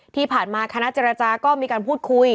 ที่ผ่านมาคณะเจรจาก็มีการพูดคุย